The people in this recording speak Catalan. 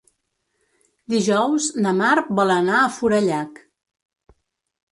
Dijous na Mar vol anar a Forallac.